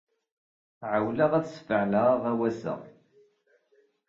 Ɛewwleɣ ad sfeɛleɣ aɣawas-a.